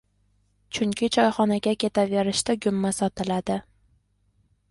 Chunki choyxonaga ketaverishda gumma sotiladi